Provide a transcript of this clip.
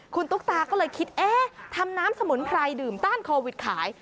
คุณตุ๊กตาก็เลยคิดเอ๊ะทำน้ำสมุนไพรดื่มต้านโควิดขาย